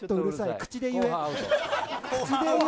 口で言え！